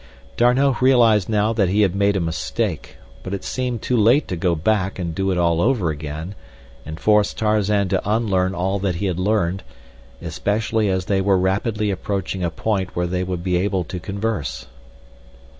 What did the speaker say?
D'Arnot realized now that he had made a mistake, but it seemed too late to go back and do it all over again and force Tarzan to unlearn all that he had learned, especially as they were rapidly approaching a point where they would be able to converse.